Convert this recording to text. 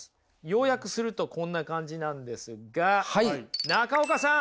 要約するとこんな感じなんですが中岡さん